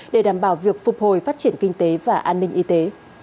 để đảm bảo việc phục hồi phát triển kinh tế và an ninh y tế